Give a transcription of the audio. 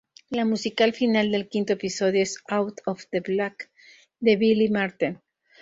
La música final del quinto episodio es "Out of the Black" de Billie Marten.